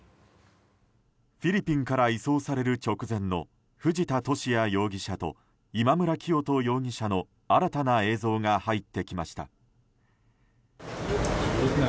フィリピンから移送される直前の藤田聖也容疑者と今村磨人容疑者の新たな映像が入ってきました。